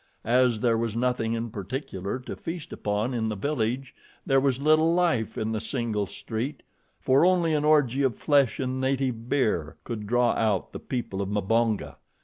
As there was nothing in particular to feast upon in the village there was little life in the single street, for only an orgy of flesh and native beer could draw out the people of Mbonga.